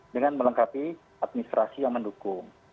dengan melengkapi administrasi yang mendukung